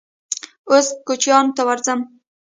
_اوس کوچيانو ته ورځم.